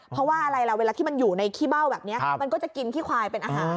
เพราะว่าอะไรล่ะเวลาที่มันอยู่ในขี้เบ้าแบบนี้มันก็จะกินขี้ควายเป็นอาหาร